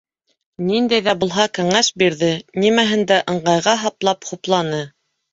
Ниндәй ҙә булһа кәңәш бирҙе, нимәһен дә ыңғайға һаплап хупланы.